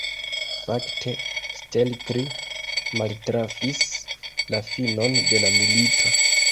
Fakte, Stelkri maltrafis la finon de la milito.